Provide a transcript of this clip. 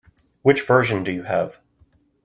Which version do you have?